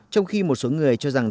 trong khi một số người cho rằng